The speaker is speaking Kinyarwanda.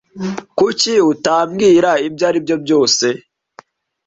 Kuki utambwira ibyo aribyo byose?